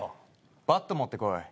バット持ってこい。